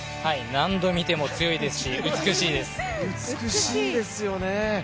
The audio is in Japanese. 何度見ても強いですし美しいです。